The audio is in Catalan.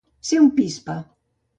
Ser un pispa.